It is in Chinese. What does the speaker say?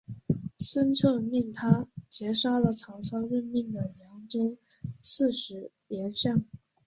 孙策命他截杀了曹操任命的扬州刺史严象。